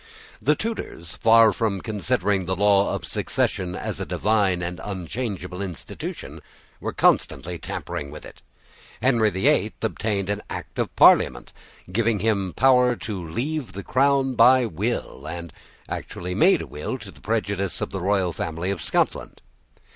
The Tudors, far from considering the law of succession as a divine and unchangeable institution, were constantly tampering with it. Henry the Eighth obtained an act of parliament, giving him power to leave the crown by will, and actually made a will to the prejudice of the royal family of Scotland.